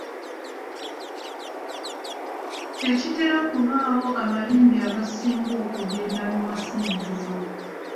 Tekitera kubaawo abayimbi abasinga okugenda mu masinzizo.